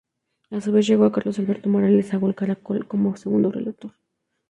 A su vez, llegó Carlos Alberto Morales a Gol Caracol como segundo relator.